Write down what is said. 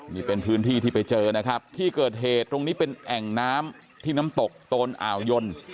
นี่เป็นพื้นที่ที่ไปเจอนะครับที่เกิดเหตุตรงนี้เป็นแอ่งน้ำที่น้ำตกโตนอ่าวยน